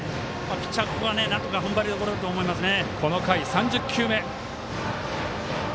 ピッチャー、ここはなんとかふんばりどころだと思いますね。